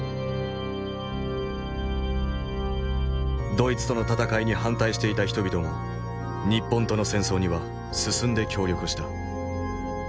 ドイツとの戦いに反対していた人々も日本との戦争には進んで協力した。